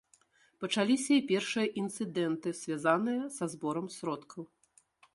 Пачаліся і першыя інцыдэнты, звязаныя са зборам сродкаў.